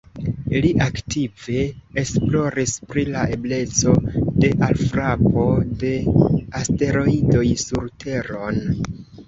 Li aktive esploris pri la ebleco de alfrapo de asteroidoj sur Teron.